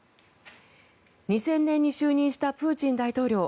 ２０００年に就任したプーチン大統領。